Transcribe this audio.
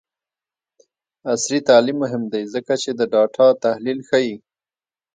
عصري تعلیم مهم دی ځکه چې د ډاټا تحلیل ښيي.